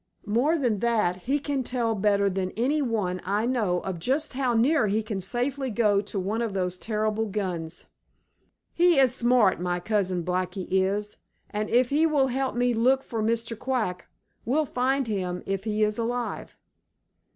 More than that, he can tell better than any one I know of just how near he can safely go to one of those terrible guns. He is smart, my cousin Blacky is, and if he will help me look for Mr. Quack, we'll find him if he is alive."